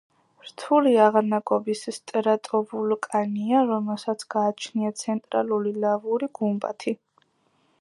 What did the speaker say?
რთული აღნაგობის სტრატოვულკანია, რომელსაც გააჩნია ცენტრალური ლავური გუმბათი.